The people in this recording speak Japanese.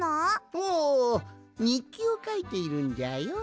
おおにっきをかいているんじゃよ。